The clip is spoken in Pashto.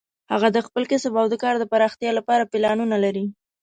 هغه د خپل کسب او کار د پراختیا لپاره پلانونه لري